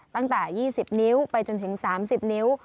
ตั้งแต่๒๐นิ้วไปจนถึง๓๐นิ้ว